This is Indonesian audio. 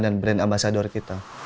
dan brand ambasador kita